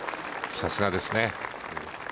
さすがですね。